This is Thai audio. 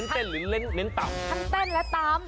เน้นเต้นหรือเน้นเน้นตำจะตั้งตั้งต้มอ๋อ